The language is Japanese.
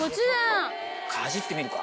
かじってみるか？